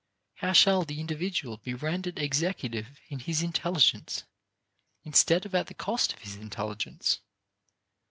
How shall the individual be rendered executive in his intelligence instead of at the cost of his intelligence?